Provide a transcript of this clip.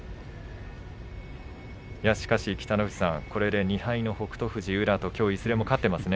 しかし北の富士さん、これで２敗の北勝富士、宇良といずれも勝ってますね。